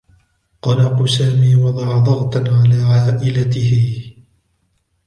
قلق سامي وضع ضغطاُ على عائلته.